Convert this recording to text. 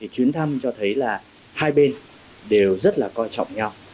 chuyến thăm cho thấy là hai bên đều rất là coi trọng nhau